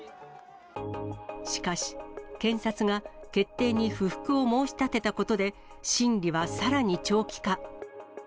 しかし、検察が決定に不服を申し立てたことで、審理はさらに長期化。